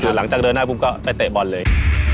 คือหลังจากเดินหน้าปุ๊บก็ไปเตะบอลเลย